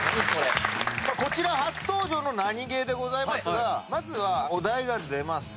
こちら初登場のナニゲーですがまずはお題が出ます。